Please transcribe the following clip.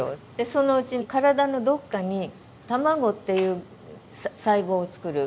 そのうち体のどっかに卵っていう細胞を作る